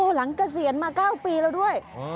เกษียณมา๙ปีแล้วด้วย